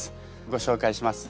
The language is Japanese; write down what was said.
ご紹介します。